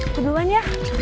ke duluan ya